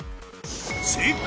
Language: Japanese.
正解！